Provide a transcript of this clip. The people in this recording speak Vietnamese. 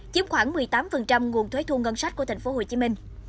chiếm khoảng một mươi tám nguồn thuế thu ngân sách của tp hcm